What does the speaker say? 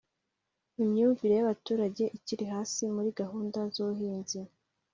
Imyumvire y abaturage ikiri hasi muri gahunda z ubuhinzi